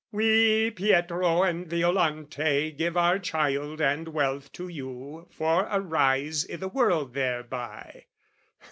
"We Pietro and Violante give our child "And wealth to you for a rise i' the world thereby."